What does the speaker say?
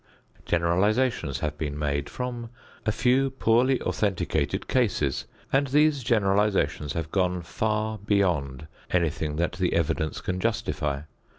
Generalizations have been made from a few poorly authenticated cases, and these generalizations have gone far beyond anything that the evidence can justify.